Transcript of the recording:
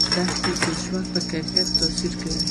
دښتې د ژوند په کیفیت تاثیر کوي.